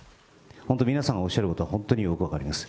本当、皆さんがおっしゃることは本当によく分かります。